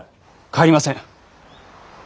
帰りません。